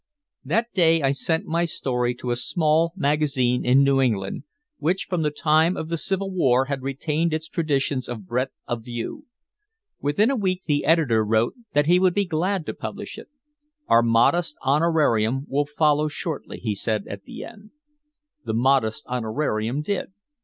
That day I sent my story to a small magazine in New England, which from the time of the Civil War had retained its traditions of breadth of view. Within a week the editor wrote that he would be glad to publish it. "Our modest honorarium will follow shortly," he said at the end. The modest honorarium did.